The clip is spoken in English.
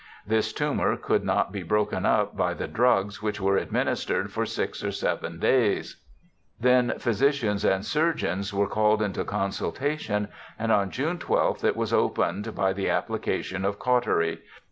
This tumour could not be broken up by the drugs which were administered for six or seven days. Then physicians and surgeons were called into consultation and on June 12th it was opened by the application of cautery.